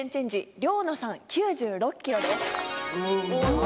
良菜さん９６ｋｇです。